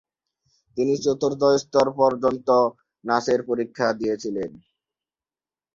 তিনি চতুর্থ স্তর পর্যন্ত নাচের পরীক্ষা দিয়েছিলেন।